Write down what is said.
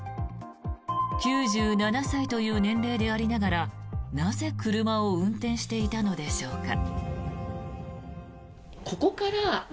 ９７歳という年齢でありながらなぜ車を運転していたのでしょうか。